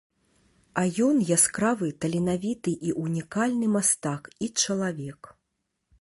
А ён яскравы таленавіты і унікальны мастак і чалавек.